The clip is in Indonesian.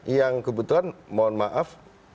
yang kebetulan mohon maaf